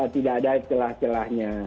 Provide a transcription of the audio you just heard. tidak ada celah celahnya